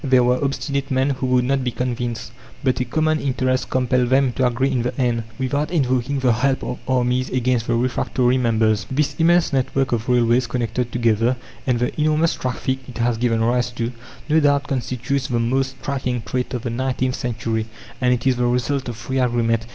There were obstinate men who would not be convinced. But a common interest compelled them to agree in the end, without invoking the help of armies against the refractory members. This immense network of railways connected together, and the enormous traffic it has given rise to, no doubt constitutes the most striking trait of the nineteenth century; and it is the result of free agreement.